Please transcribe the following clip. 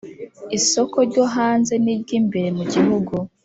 isoko ryo hanze niryi imbere mugihugu